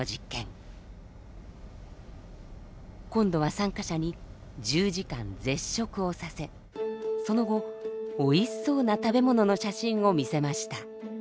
今度は参加者に１０時間絶食をさせその後おいしそうな食べ物の写真を見せました。